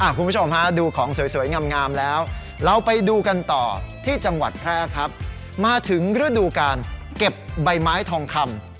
คุณผู้ชมฮะดูของสวยงามแล้วเราไปดูกันต่อที่จังหวัดแพร่ครับมาถึงฤดูการเก็บใบไม้ทองคำ